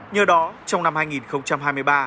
nhờ đó trong năm hai nghìn hai mươi ba